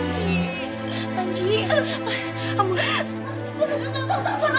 sobat ns ini dari jial